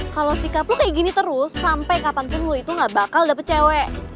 kalau sikap lo kayak gini terus sampai kapanpun lu itu gak bakal dapet cewek